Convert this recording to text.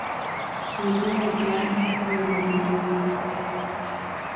He was born to Agnes Pringle and Andrew Veitch.